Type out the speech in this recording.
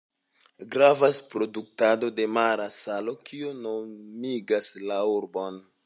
Gravas produktado de mara salo, kio nomigas la urbon.